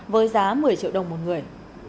với giá một mươi triệu đồng mỗi người